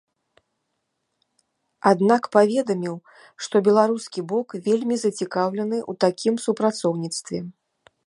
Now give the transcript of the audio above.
Аднак паведаміў, што беларускі бок вельмі зацікаўлены ў такім супрацоўніцтве.